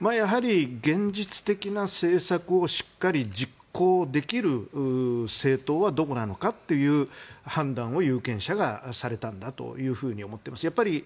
現実的な政策をしっかり実行できる政党はどこなのかという判断を有権者がされたんだと思っています。